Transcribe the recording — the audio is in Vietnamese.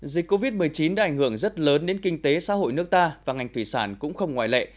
dịch covid một mươi chín đã ảnh hưởng rất lớn đến kinh tế xã hội nước ta và ngành thủy sản cũng không ngoại lệ